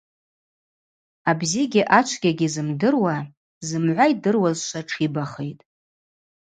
Абзигьи ачвгьагьи зымдыруа зымгӏва йдыруазшва тшибахитӏ.